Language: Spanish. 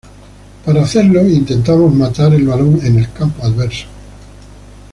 Para hacerlo, intentamos "matar" el balón en el campo adverso.